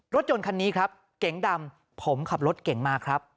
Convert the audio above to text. รถยนต์คันนี้ครับเก๋งดำผมขับรถเก่งมาครับ